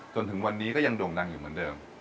จนถึงวันนี้ก็ยังโด่งดังอยู่เหมือนเดิม